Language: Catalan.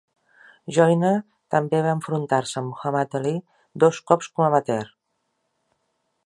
Joiner també va enfrontar-se a Muhammad Ali dos cops com amateur.